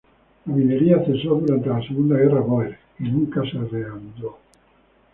La minería cesó durante la Segunda Guerra Boer y nunca se reanudó.